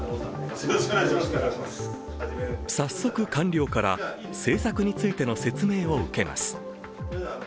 早速、官僚から政策についての説明を受けます。